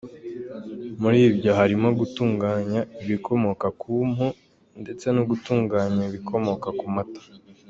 Muri ibyo harimo gutunganya ibikomoka ku mpu, ndetse no gutunganya ibikomoka ku Mata.